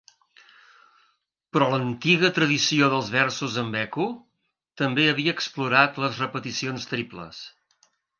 Però l'antiga tradició dels versos amb eco també havia explorat les repeticions triples.